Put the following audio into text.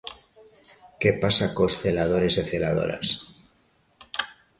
¿Que pasa cos celadores e celadoras?